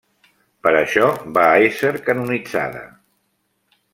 Per això va ésser canonitzada.